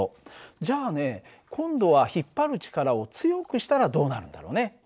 じゃあね今度は引っ張る力を強くしたらどうなるんだろうね？